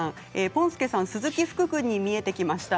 ぽん助さん鈴木福君に見えてきました。